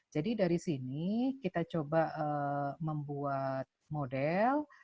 jadi dari sini kita coba membuat model